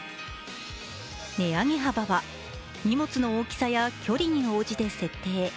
値上げ幅は荷物の大きさや距離に応じて設定。